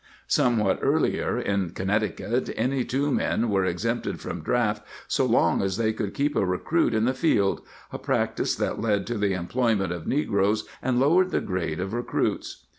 ^ Some what earlier, in Connecticut, any two men were exempted from draft so long as they could keep a recruit in the field — a practice that led to the employment of negroes and lowered the grade of recruits.